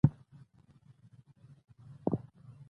يا دا بيت